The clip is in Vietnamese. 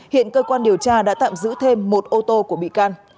hiện cơ quan điều tra đã tạm giữ thêm một ô tô của bị can